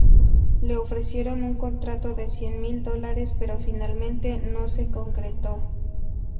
Le ofrecieron un contrato de cien mil dólares pero finalmente no se concretó.